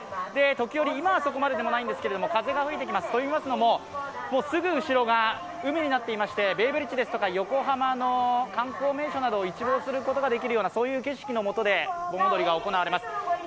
時折、今はそこまでではないんですが風が吹いてきます、といいますのもすぐ後ろが海になっていましてベイブリッジですとか横浜の観光名所を一望できる景色のもとで盆踊りが行われます。